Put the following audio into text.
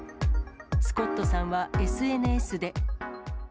スコットさんはＳＮＳで。